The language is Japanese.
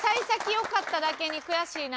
良かっただけに悔しいな。